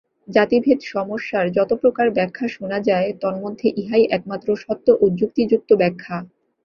জাতিভেদ-সমস্যার যত প্রকার ব্যাখ্যা শুনা যায়, তন্মধ্যে ইহাই একমাত্র সত্য ও যুক্তিযুক্ত ব্যাখ্যা।